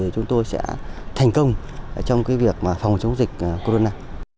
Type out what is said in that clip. chúng tôi sẽ thành công trong việc phòng chống dịch corona